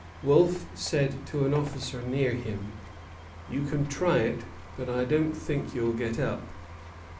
Wolfe said to an officer near him: "You can try it, but I don't think you'll get up."